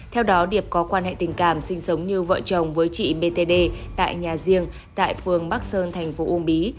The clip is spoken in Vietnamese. theo đó điệp có quan hệ tình cảm sinh sống như vợ chồng với chị btd tại nhà riêng tại phường bắc sơn thành phố uông bí